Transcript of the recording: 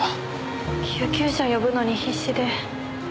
救急車を呼ぶのに必死で。